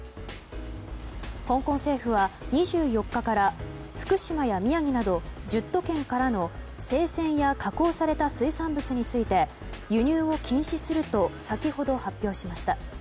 香港政府は、２４日から福島や宮城など１０都県からの生鮮や加工された水産物について輸入を禁止すると先ほど発表しました。